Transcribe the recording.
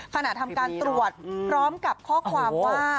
ทำการตรวจพร้อมกับข้อความว่า